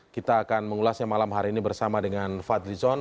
kita akan mengulasnya malam hari ini bersama dengan fadlizon